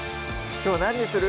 きょう何にする？